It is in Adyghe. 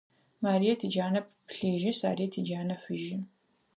Марыет иджанэ плъыжьы, Сарыет иджанэ фыжьы.